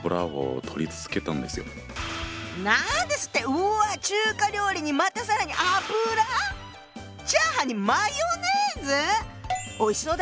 うわ中華料理にまた更に油⁉チャーハンにマヨネーズ⁉おいしそうだけど